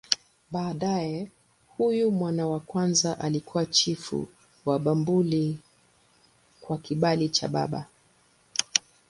Baadaye huyu mwana wa kwanza alikuwa chifu wa Bumbuli kwa kibali cha baba.